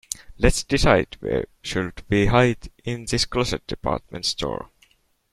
Let's decide where should we hide in this closed department store.